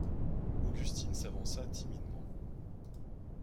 Augustine s’avança timidement.